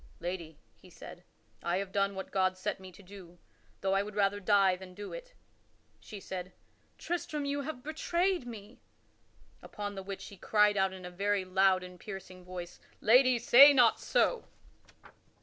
"Lady," he said, "I have done what God set me to do, though I would rather die than do it." She said, "Tristram, you have betrayed me." Upon the which he cried out in a very loud and piercing voice, "Lady, say not so!"